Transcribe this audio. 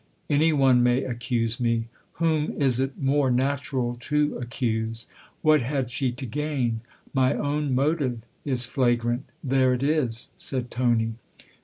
" "Any one may accuse me. Whom is it more natural to accuse ? What had she to gain ? My own motive is flagrant. There it is," said Tony.